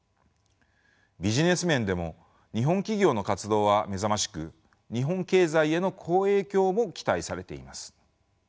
ビジネス面でも日本企業の活動は目覚ましく日本経済への好影響も期待されています。